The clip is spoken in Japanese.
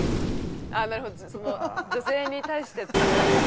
ああなるほどその女性に対してってことですね。